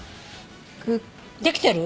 できてる？